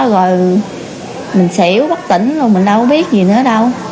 rồi mình xỉu bất tỉnh luôn mình đâu có biết gì nữa đâu